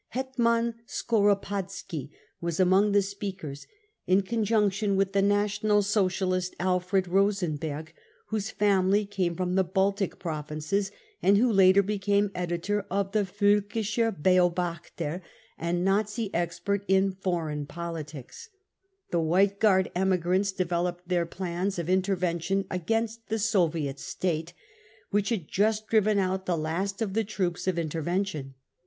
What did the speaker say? Hetman Skoropadski was among the speakers. In conjunction with the National Socialist Alfred Rosen berg, whose family came from the Baltic provinces and who later became editor of the Volkischer Beobachter and Nazi ^expert in foreign politics, tlie White Guard emigrants de veloped their plans of intervention against the Soviet State, wliich had just driven out the last of the troops of interven tion.